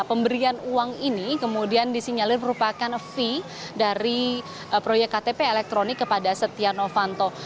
pemberian uang ini kemudian disinyalir merupakan fee dari proyek ktp elektronik kepada setia novanto